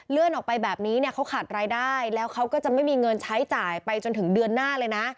ออกไปแบบนี้เนี่ยเขาขาดรายได้แล้วเขาก็จะไม่มีเงินใช้จ่ายไปจนถึงเดือนหน้าเลยนะ